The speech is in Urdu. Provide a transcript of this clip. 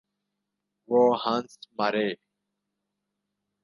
وہ ہنس مارے۔